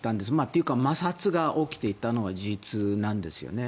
というか摩擦が起きていたのは事実なんですよね。